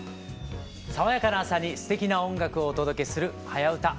爽やかな朝にすてきな音楽をお届けする「はやウタ」。